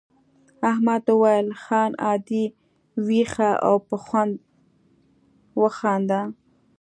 احمد وویل خان عادي وښیه او په خوند وخانده.